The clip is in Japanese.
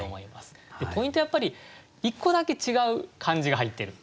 でポイントはやっぱり１個だけ違う漢字が入ってる。